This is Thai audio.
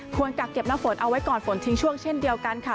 กักเก็บน้ำฝนเอาไว้ก่อนฝนทิ้งช่วงเช่นเดียวกันค่ะ